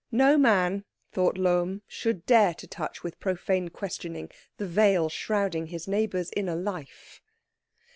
No man, thought Lohm, should dare to touch with profane questioning the veil shrouding his neighbour's inner life.